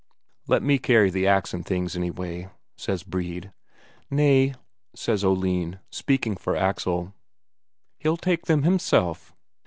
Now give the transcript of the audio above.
"Let me carry the ax and things, anyway," says Brede. "Nay," says Oline, speaking for Axel. "He'll take them himself."